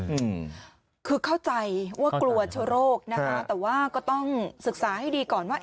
อืมคือเข้าใจว่ากลัวเชื้อโรคนะคะแต่ว่าก็ต้องศึกษาให้ดีก่อนว่า